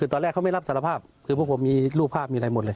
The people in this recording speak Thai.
คือตอนแรกเขาไม่รับสารภาพคือพวกผมมีรูปภาพมีอะไรหมดเลย